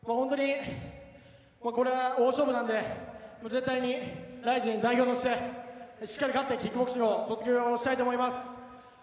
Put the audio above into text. これは大勝負なので絶対にＲＩＺＩＮ代表としてしっかり勝ってキックボクシングを卒業したいと思います。